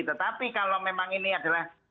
tetapi kalau memang ini adalah